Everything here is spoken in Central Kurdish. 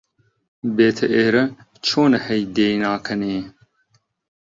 بێتە ئێرە، چۆنە هەی دێی ناکەنێ!؟